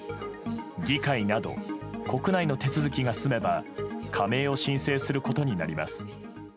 議会など国内の手続きが済めば加盟を申請することになります。